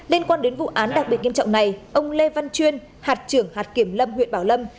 liên quan đến vụ án đặc biệt nghiêm trọng này ông lê văn chuyên hạt trưởng hạt kiểm lâm huyện bảo lâm